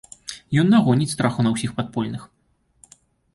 Ён нагоніць страху на ўсіх падпольных.